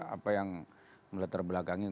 apa yang meletar belakangnya